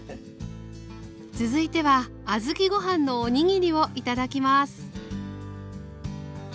続いては小豆ご飯のおにぎりを頂きます